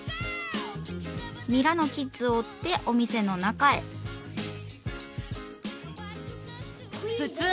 ミラノキッズを追ってお店の中へ。ね！